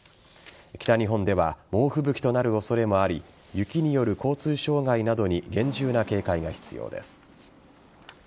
北日本では猛吹雪となる恐れもあり雪による交通障害などに厳重な警戒が必要です。